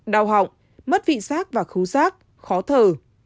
đau họng mất vị sát và khú sát khó thở